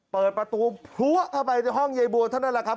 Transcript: เปิดประตูพลัวเข้าไปในห้องยายบัวเท่านั้นแหละครับ